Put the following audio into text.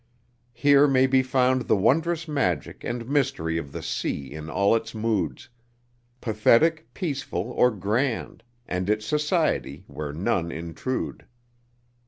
Here may be found the wondrous magic and mystery of the sea in all its moods pathetic, peaceful or grand, and its society, where none intrude.